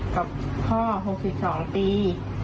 กับพ่อ๖๒ปี